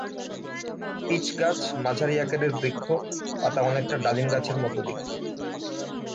Pitch গাছ মাঝারি আকারের বৃক্ষ, পাতা অনেকটা ডালিম পাতার মতো দেখতে।